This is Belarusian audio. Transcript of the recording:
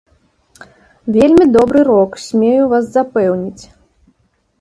Вельмі добры рок, смею вас запэўніць.